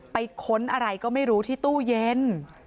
ค้นอะไรก็ไม่รู้ที่ตู้เย็น